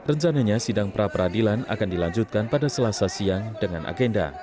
rencananya sidang pra peradilan akan dilanjutkan pada selasa siang dengan agenda